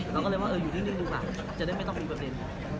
เราก็เลยว่าเอออยู่นิดนึงดูก่อนจะได้ไม่ต้องมีประเด็น